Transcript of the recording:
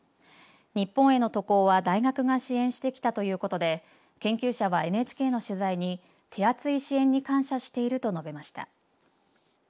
日本への渡航は大学が支援してきたということで研究者はＮＨＫの取材に手厚い支援に感謝していると述べました。